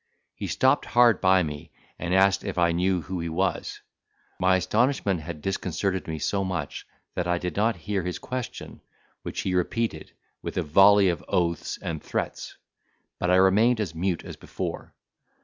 He stopped hard by me, and asked if I knew who he was? My astonishment had disconcerted me so much that I did not hear his question, which he repeated with a volley of oaths and threats; but I remained as mute as before.